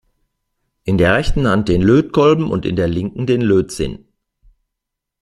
In der rechten Hand den Lötkolben und in der linken den Lötzinn.